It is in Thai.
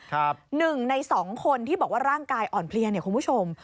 หนึ่งในสองคนที่บอกว่าร่างกายอ่อนเพลียเนี่ยคุณผู้ชม